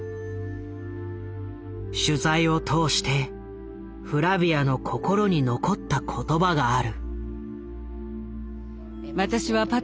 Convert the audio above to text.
取材を通してフラヴィアの心に残った言葉がある。